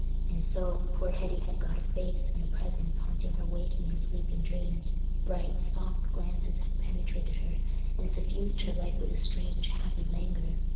And so, poor Hetty had got a face and a presence haunting her waking and sleeping dreams; bright, soft glances had penetrated her, and suffused her life with a strange, happy languor.